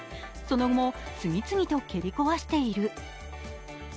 その後も次々と蹴り壊している。